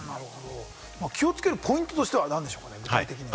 気をつけるポイントとしては何でしょうか？